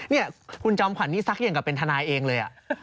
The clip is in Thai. นี่คุณจอมขวัญนี่ซักอย่างกับเป็นทนายเองเลย